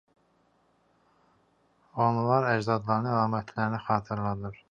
Onlar əcdadlarının əlamətlərini xatırladır.